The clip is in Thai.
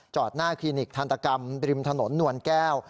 หน้าคลินิกทันตกรรมริมถนนนวลแก้ว